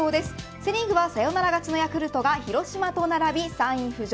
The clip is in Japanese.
セ・リーグはサヨナラ勝ちのヤクルトが広島と並び３位浮上。